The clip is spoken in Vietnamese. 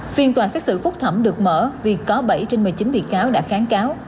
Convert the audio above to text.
phiên tòa xét xử phúc thẩm được mở vì có bảy trên một mươi chín bị cáo đã kháng cáo